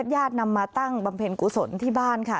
ญาตินำมาตั้งบำเพ็ญกุศลที่บ้านค่ะ